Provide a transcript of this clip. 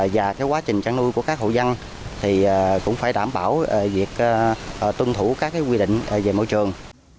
và quá trình chăn nuôi của các hộ dân thì cũng phải đảm bảo việc tuân thủ các quy định về môi trường